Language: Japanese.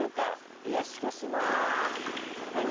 いやしかしまぁ。